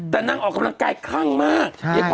แต่นางออกกำลังกายคลั่งมาก